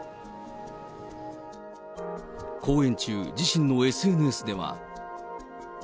公演中、自身のＳＮＳでは。